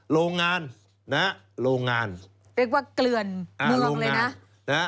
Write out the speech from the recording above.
โรงงานเรียกว่าเกลื่อนเมืองเลยนะ